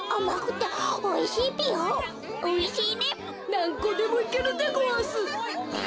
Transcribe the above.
なんこでもいけるでごわす！